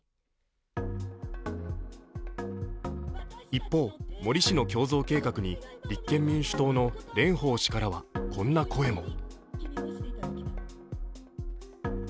一方、森氏の胸像計画に立憲民主党の蓮舫氏からはこんな声も。